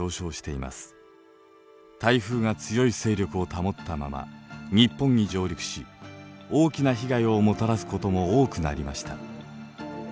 台風が強い勢力を保ったまま日本に上陸し大きな被害をもたらすことも多くなりました。